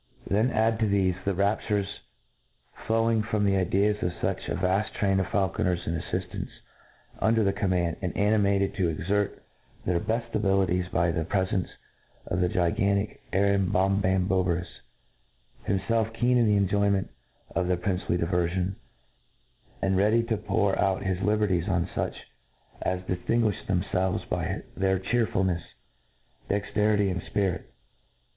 Then add to thefe the raptures flowing from the ideas of fuch a vaft train of faulconers and aflift ants, under the command, and animated to exert their beft abilities by the prefence of the gi gstntic Arambombambobefus j himfelf keen in the enjoyment of the princely diverfion, iand rea dy to pour out his liberalities on fuch 6s dif tinguifhed themfelves by their chearfulncfs, dex terity, and fpirit.